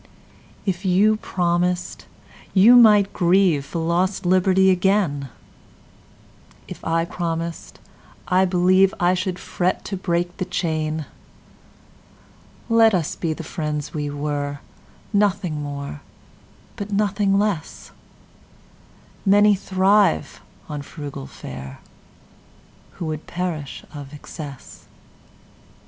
If you promised, you might grieveFor lost liberty again:If I promised, I believeI should fret to break the chain. Let us be the friends we were, Nothing more but nothing less:Many thrive on frugal fareWho would perish of excess.